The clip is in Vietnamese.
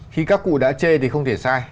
khi các cụ đã chê thì không thể sai